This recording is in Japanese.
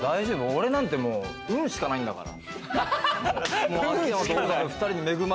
俺なんて運しかないんだから。